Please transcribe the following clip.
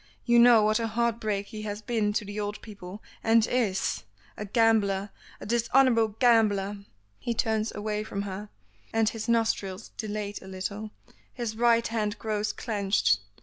You know what a heart break he has been to the old people, and is! A gambler, a dishonorable gambler!" He turns away from her, and his nostrils dilate a little; his right hand grows clenched.